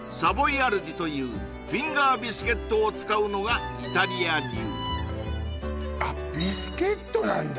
アルディというフィンガービスケットを使うのがイタリア流あっビスケットなんだ？